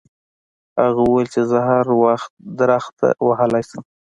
هغه وویل چې زه هر درخت وهلی شم.